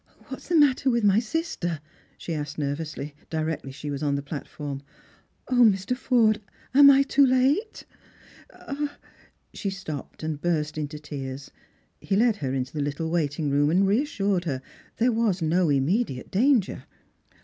" What is the matter with my sister ?" she asked nervously, directly she was on the platform. " O, Mr. Forde, am I too late? Is " She stopped, and burst into tears. He led her into the little waiting room, and reassured her there was no immediate danger.